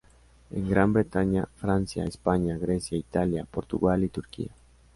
En Gran Bretaña, Francia, España, Grecia, Italia, Portugal y Turquía.